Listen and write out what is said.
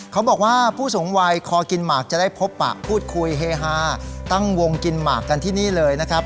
เขาบอกว่าผู้สูงวัยคอกินหมากจะได้พบปะพูดคุยเฮฮาตั้งวงกินหมากกันที่นี่เลยนะครับ